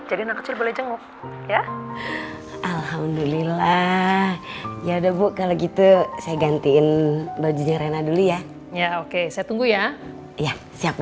alhamdulillah ya udah bu kalau gitu saya gantiin bajunya rena dulu ya ya oke saya tunggu ya ya siap